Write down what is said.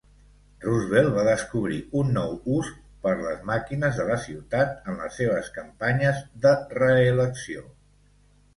Roosevelt va descobrir un nou ús per les màquines de la ciutat en les seves campanyes de reelecció.